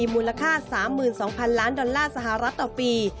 มูลค่า๓๒๐๐๐ล้านดอลลาร์สหรัฐต่อปี